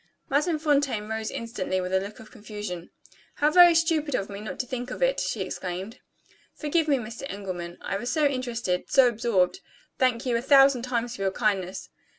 Madame Fontaine rose instantly, with a look of confusion. "How very stupid of me not to think of it!" she exclaimed. "Forgive me, Mr. Engelman I was so interested, so absorbed thank you a thousand times for your kindness!"